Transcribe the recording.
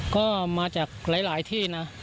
ก็มาจากหลายที่นะ